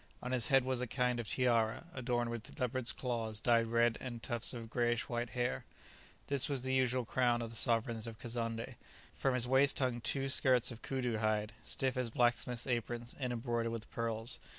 On his head was a kind of tiara, adorned with leopards' claws dyed red, and tufts of greyish white hair; this was the usual crown of the sovereigns of Kazonndé. From his waist hung two skirts of coodoo hide, stiff as blacksmiths' aprons, and embroidered with pearls.